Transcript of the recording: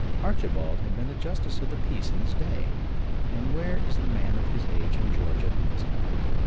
Archibald had been a justice of the peace in his day (and where is the man of his age in Georgia who has not?)